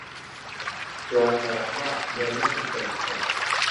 Quyosh charaqlab, yerni qizdiribdi